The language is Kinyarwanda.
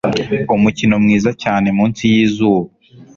Umukino mwiza cyane munsi yizuba